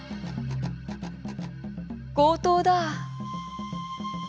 強盗だ！